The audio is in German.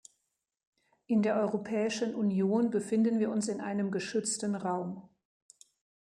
In der Europäischen Union befinden wir uns in einem geschützten Raum.